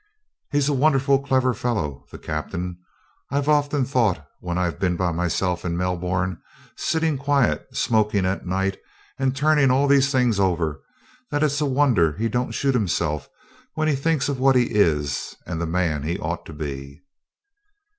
'He's a wonderful clever fellow, the Captain. I've often thought when I've been by myself in Melbourne, sitting quiet, smoking at night, and turning all these things over, that it's a wonder he don't shoot himself when he thinks of what he is and the man he ought to be.'